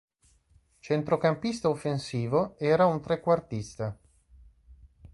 Centrocampista offensivo, era un trequartista.